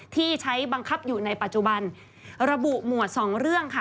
ที่ใช้บังคับอยู่ในปัจจุบันระบุหมวดสองเรื่องค่ะ